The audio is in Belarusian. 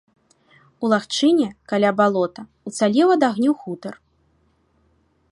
У лагчыне, каля балота, уцалеў ад агню хутар.